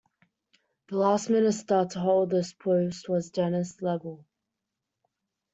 The last minister to hold this post was Denis Lebel.